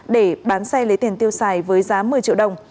để bán xe lấy tiền tiêu xài với giá một mươi triệu đồng